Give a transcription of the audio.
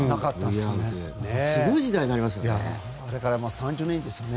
すごい時代になりましたね。